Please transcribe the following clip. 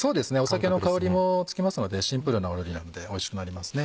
酒の香りもつきますのでシンプルな料理なのでおいしくなります。